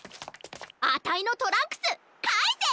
あたいのトランクスかえせ！